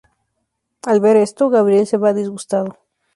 Al ver esto, Gabriel se va disgustado.